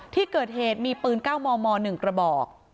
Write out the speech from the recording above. ที่เกิดเหตุมีปืน๙มม๑กระบอก